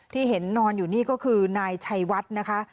ที่เห็นนอนอยู่นี่ก็คือนายชัยวัดนะคะ